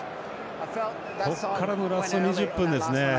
ここからのラスト２０分ですね。